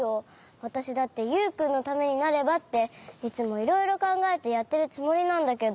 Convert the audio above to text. わたしだってユウくんのためになればっていつもいろいろかんがえてやってるつもりなんだけど。